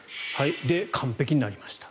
完璧になりました。